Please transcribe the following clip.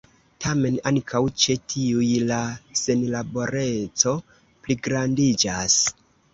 Tamen ankaŭ ĉe tiuj la senlaboreco pligrandiĝas.